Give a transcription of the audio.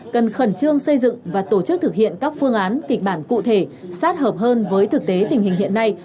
cần khẩn trương xây dựng và tổ chức thực hiện các phương án kịch bản cụ thể sát hợp hơn với thực tế tình hình hiện nay